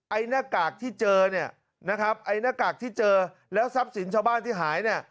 ไอ้น้ากากที่เจอไอ้น้ากากที่เจอแล้วทรัพย์สินชาวบ้านที่หาย